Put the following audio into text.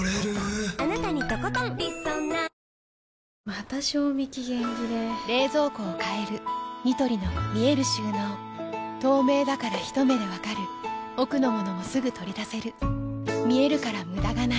また賞味期限切れ冷蔵庫を変えるニトリの見える収納透明だからひと目で分かる奥の物もすぐ取り出せる見えるから無駄がないよし。